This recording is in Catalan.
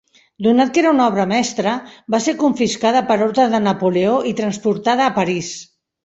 Donat que era una obra mestra, va ser confiscada per ordre de Napoleó i transportada a París.